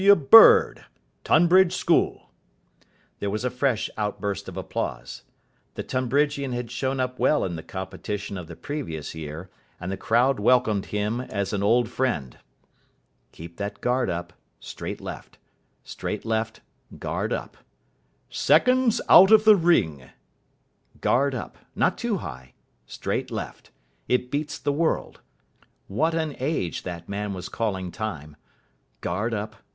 W. Bird, Tonbridge School." There was a fresh outburst of applause. The Tonbridgian had shown up well in the competition of the previous year, and the crowd welcomed him as an old friend. Keep that guard up straight left. Straight left guard up. "Seconds out of the ring." Guard up. Not too high. Straight left. It beats the world. What an age that man was calling Time. Guard up.